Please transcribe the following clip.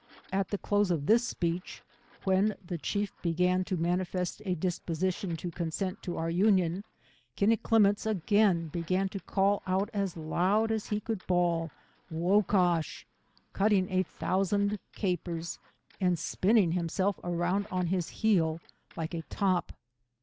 At the close of this speech, when the chief began to manifest a disposition to consent to our union, Kinneclimmets ai; ain began to call out as loud as he could bawl, Wocash, cutting a a thousand capers and spinning himself around on his heel like a top.